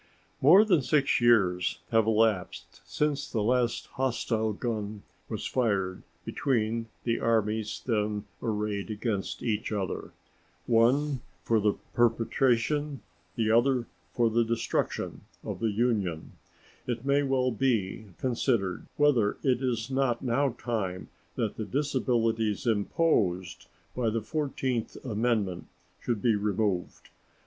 More than six years having elapsed since the last hostile gun was fired between the armies then arrayed against each other one for the perpetuation, the other for the destruction, of the Union it may well be considered whether it is not now time that the disabilities imposed by the fourteenth amendment should be removed.